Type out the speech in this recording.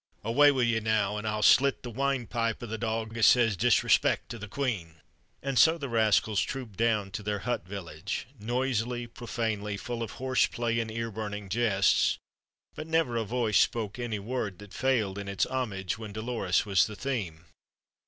Away wi' you, now, an' I'll slit th' winepipe o' th' dog as says disrespect to th' queen." And so the rascals trooped down to their hut village. Noisily, profanely, full of horseplay and ear burning jests; but never a voice spoke any word that failed in its homage when Dolores was the theme.